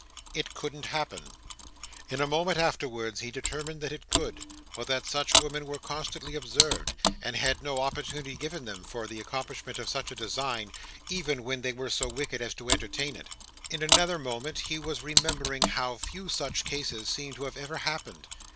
It couldn't happen. In a moment afterwards he determined that it could, but that such women were constantly observed, and had no opportunity given them for the accomplishment of such a design, even when they were so wicked as to entertain it. In another moment, he was remembering how few such cases seemed to have ever happened.